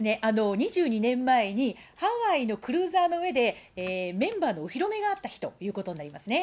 ２２年前に、ハワイのクルーザーの上で、メンバーのお披露目があった日ということになりますね。